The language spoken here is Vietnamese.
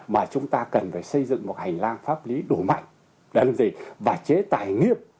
mà chúng ta cần phải xây dựng một hành lang pháp lý đủ mạnh và chế tài nghiệp